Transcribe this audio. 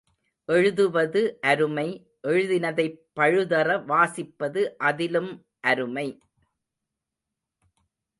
எழுதுவது அருமை எழுதினதைப் பழுதற வாசிப்பது அதிலும் அருமை.